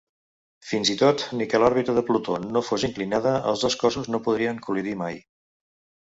Fins i tot ni que l'òrbita de Plutó no fos inclinada els dos cossos no podrien col·lidir mai.